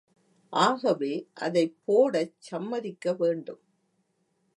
ஆகவே அதைப் போடச் சம்மதிக்க வேண்டும்.